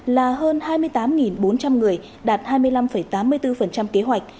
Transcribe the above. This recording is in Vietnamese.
là hơn hai mươi tám bốn trăm linh người đạt hai mươi năm tám mươi bốn kế hoạch